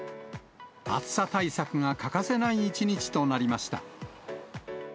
暑さ対策が欠かせない一日となりました。